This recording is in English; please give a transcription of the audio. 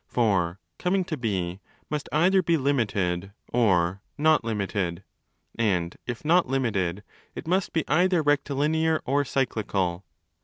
For coming to be must either be limited or not limited: and if not limited, it must be either rectilinear or cyclical.